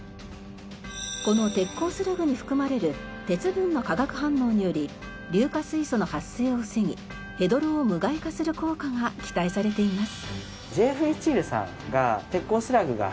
この鉄鋼スラグに含まれる鉄分の化学反応により硫化水素の発生を防ぎヘドロを無害化する効果が期待されています。